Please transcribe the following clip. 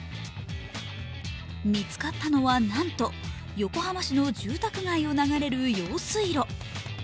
見つかったのは、なんと横浜市の住宅街を流れる用水路。